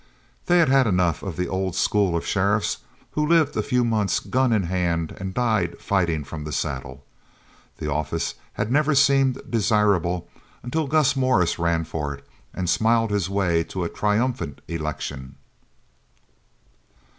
They had had enough of the old school of sheriffs who lived a few months gun in hand and died fighting from the saddle. The office had never seemed desirable until Gus Morris ran for it and smiled his way to a triumphant election.